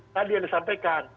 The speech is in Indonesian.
tadi yang disampaikan